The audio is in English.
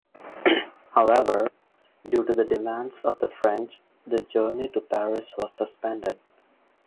However, due to the demands of the French, the journey to Paris was suspended.